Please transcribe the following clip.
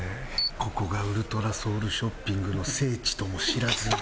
ここがウルトラソウルショッピングの聖地とも知らずに。